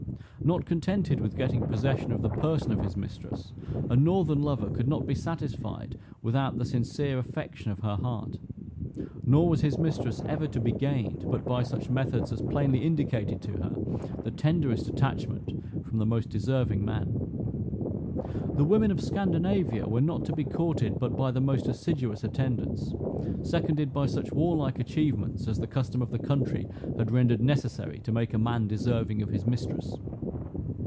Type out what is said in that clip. Not contented with getting possession of the person of his mistress, a northern lover could not be satisfied without the sincere affection of her heart; nor was his mistress ever to be gained but by such methods as plainly indicated to her the tenderest attachment from the most deserving man. The women of Scandinavia were not to be courted but by the most assiduous attendance, seconded by such warlike achievements as the custom of the country had rendered necessary to make a man deserving of his mistress.